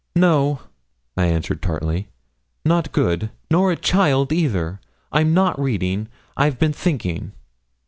'No,' I answered tartly; 'not good, nor a child either; I'm not reading, I've been thinking.'